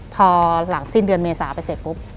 พอหลังสิ้นเดือนเมษาไปเสร็จปุ๊บ